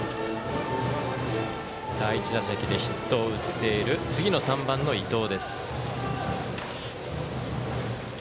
第１打席でヒットを打っている３番、伊藤。